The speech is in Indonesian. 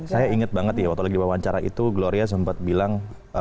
saya inget banget ya waktu lagi wawancara itu gloria sempat bilang